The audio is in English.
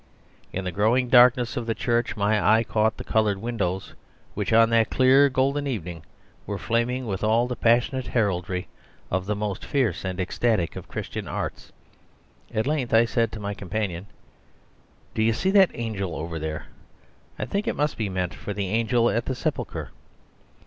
In the growing darkness of the church, my eye caught the coloured windows which on that clear golden evening were flaming with all the passionate heraldry of the most fierce and ecstatic of Christian arts. At length I said to my companion: "Do you see that angel over there? I think it must be meant for the angel at the sepulchre."